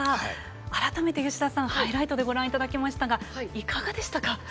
改めて吉田さん、ハイライトでご覧いただきましたがいかがでしたか。